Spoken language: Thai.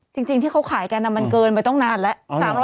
จริงที่เขาขายกันมันเกินไปตั้งนานแล้ว